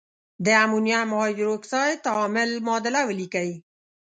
د امونیم هایدرواکساید تعامل معادله ولیکئ.